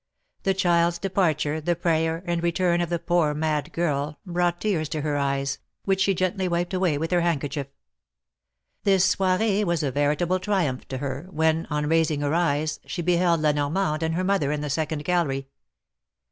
The child's departure, the prayer and return of the poor mad girl, brought tears to her eyes, which she gently wiped away with her hand kerchief. This soir6e was a veritable triumph to her, when, on raising her eyes, she beheld La Normande and her mother in th^ second gallery.